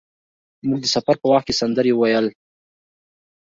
موږ د سفر په وخت کې سندرې ویل.